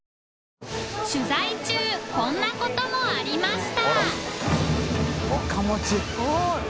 取材中こんなこともありましたあら。